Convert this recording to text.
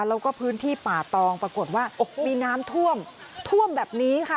แล้วก็พื้นที่ป่าตองปรากฏว่ามีน้ำท่วมท่วมแบบนี้ค่ะ